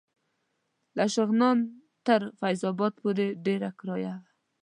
له شغنان نه تر فیض اباد پورې ډېره کرایه وه.